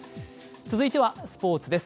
続いてはスポーツです。